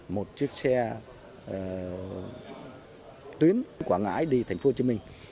một chiếc xe tuyến quảng ngãi đi thành phố hồ chí minh